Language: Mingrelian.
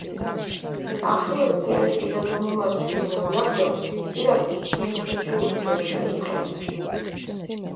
ახიოლ ცირაშ დიდა დო მუმას ჩქინ მეულაქ დო ცირაქ ირფელი ქეჩიუ მუჭო ეშეფრსხინ.